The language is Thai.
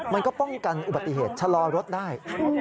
มันก็ป้องกันอุบัติเหตุชะลอรถได้